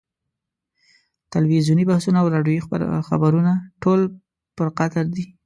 تلویزیوني بحثونه او راډیویي خبرونه ټول پر قطر دي.